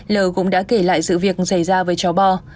l cũng đã kể lại sự việc xảy ra với cháu bò